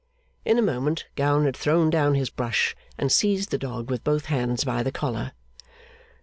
In a moment Gowan had thrown down his brush, and seized the dog with both hands by the collar.